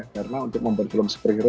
karena untuk membuat film superhero